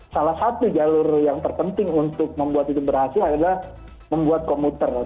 salah satu jalur yang terpenting untuk membuat itu berhasil adalah membuat komuter